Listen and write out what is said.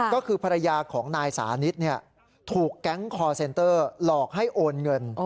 ก็คือภรรยาของนายสานิทถูกแก๊งคอร์เซ็นเตอร์หลอกให้โอนเงิน